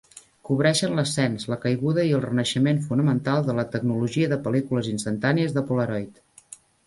Cobreix l'ascens, la caiguda i el renaixement fonamental de la tecnologia de pel·lícules instantànies de Polaroid.